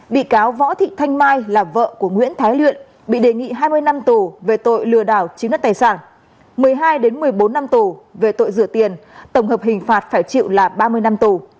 bị cáo võ thị thanh mai là vợ của nguyễn thái luyện bị đề nghị hai mươi năm tù về tội lừa đảo chiếm đất tài sản một mươi hai một mươi bốn năm tù về tội rửa tiền tổng hợp hình phạt phải chịu là ba mươi năm tù